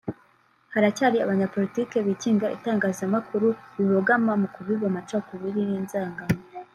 Haracyari abanyapolitiki bikinga ibitangazamakuru bibogama mu kubiba amacakubiri n’inzangano